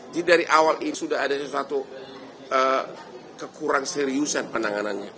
jadi dari awal ini sudah ada sesuatu kekurang seriusan penanganannya